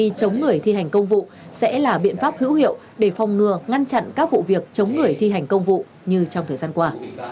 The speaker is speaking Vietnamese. vì chống người thi hành công vụ sẽ là biện pháp hữu hiệu để phòng ngừa ngăn chặn các vụ việc chống người thi hành công vụ như trong thời gian qua